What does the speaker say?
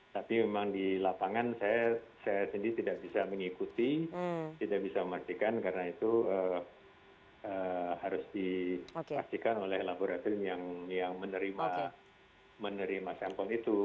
tapi memang di lapangan saya sendiri tidak bisa mengikuti tidak bisa memastikan karena itu harus dipastikan oleh laboratorium yang menerima sampel itu